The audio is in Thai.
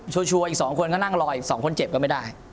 ชัวร์อีก๒คนก็นั่งรออีก๒คนเจ็บก็ไม่ได้